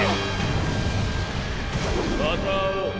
また会おう。